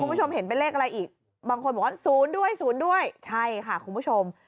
คุณผู้ชมเห็นเป็นเลขอะไรอีกบางคนบอกว่า๐ด้วย๐ด้วยใช่ค่ะคุณผู้ชม